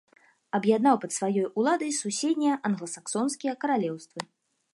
Аб'яднаў пад сваёй уладай суседнія англасаксонскія каралеўствы.